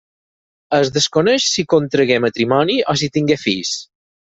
Es desconeix si contragué matrimoni o si tingué fills.